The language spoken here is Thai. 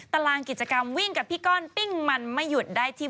ตารางกิจกรรมวิ่งกับพี่ก้อนปิ้งมันไม่หยุดได้ที่